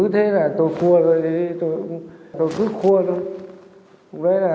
thì bắt đầu là